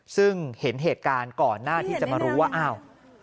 ซึ่งเห็นเหตุการณ์ก่อนหน้าที่จะมารู้ว่าอ้าว